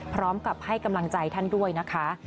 พร้อมกับให้กำลังใจท่านด้วยนะคะ